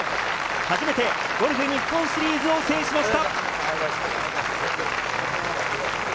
初めてゴルフ日本シリーズを制しました。